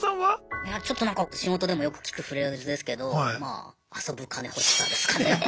いやちょっとなんか仕事でもよく聞くフレーズですけどまあ遊ぶカネ欲しさですかね。